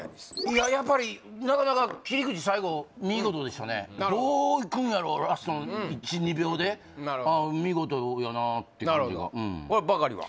いややっぱりなかなか切り口最後見事でしたねどういくんやろうラストの１２秒で見事やなって感じがなるほどこれバカリは？